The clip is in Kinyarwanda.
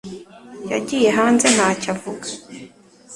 Yagiye hanze ntacyo avuga.